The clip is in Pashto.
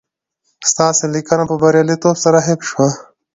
ستاسي لېنکه په برياليتوب سره حفظ شوه